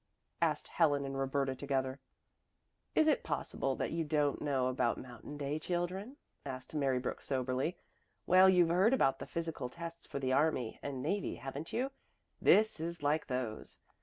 asked Helen and Roberta together. "Is it possible that you don't know about Mountain Day, children?" asked Mary Brooks soberly. "Well, you've heard about the physical tests for the army and navy, haven't you? This is like those.